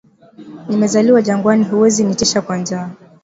nime zaliwa jangwani hauwezi nitisha kwa nja